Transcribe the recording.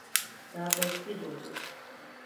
Tāpēc piedodiet.